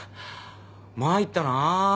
参ったな。